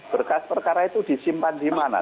berkas perkara itu disimpan di mana